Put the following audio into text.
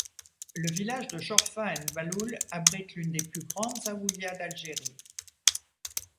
Le village de Chorfa n'Bahloul abrite l'une des plus grandes zaouïas d'Algérie.